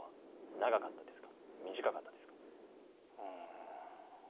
長かったですね。